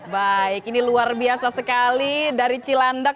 baik ini luar biasa sekali dari cilandak